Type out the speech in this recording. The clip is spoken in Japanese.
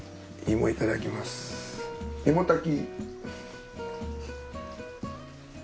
芋炊き。